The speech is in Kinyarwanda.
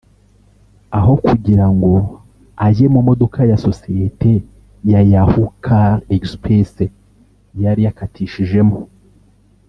Aho kugira ngo ajye mu modoka za sosiyete ya Yahoo Car Express yari yakatishijemo